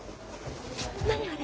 何あれ！？